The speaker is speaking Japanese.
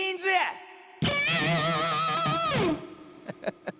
ハハハ。